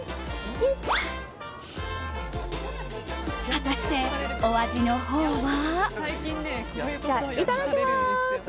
果たして、お味のほうは。